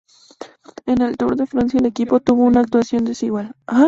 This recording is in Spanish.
En el Tour de Francia el equipo tuvo una actuación desigual.